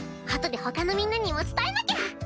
あとでほかのみんなにも伝えなきゃ。